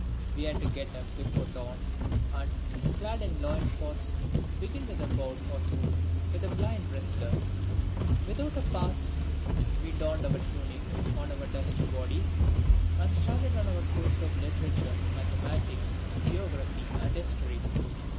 We had to get up before dawn and, clad in loin cloths, begin with a bout or two with a blind wrestler. Without a pause we donned our tunics on our dusty bodies, and started on our courses of literature, mathematics, geography and history.